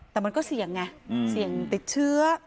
แต่มันก็เสี่ยงไงเสี่ยงติดเชื้อ